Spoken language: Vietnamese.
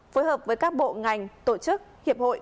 phối hợp với các bộ ngành tổ chức hiệp hội